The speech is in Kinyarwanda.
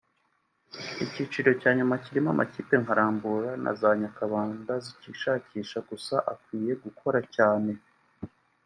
Icyiciro cya Nyuma kirimo aamkipe nka Rambura na za Nyakabanda zicyishakisha gusa akwiye gukora cyane